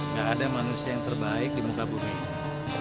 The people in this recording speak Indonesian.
gak ada manusia yang terbaik di muka bumi ini